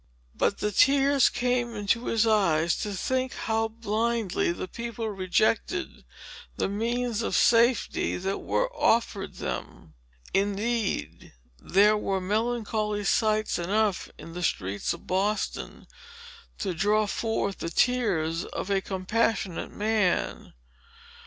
But the tears came into his eyes, to think how blindly the people rejected the means of safety, that were offered them. Indeed, there were melancholy sights enough in the streets of Boston, to draw forth the tears of a compassionate man.